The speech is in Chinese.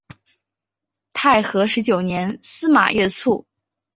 太和十九年司马跃卒。